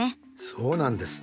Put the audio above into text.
そうなんです。